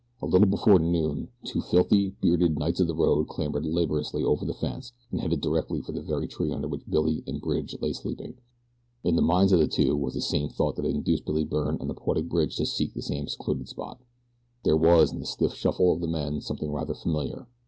A little before noon two filthy, bearded knights of the road clambered laboriously over the fence and headed directly for the very tree under which Billy and Bridge lay sleeping. In the minds of the two was the same thought that had induced Billy Byrne and the poetic Bridge to seek this same secluded spot. There was in the stiff shuffle of the men something rather familiar.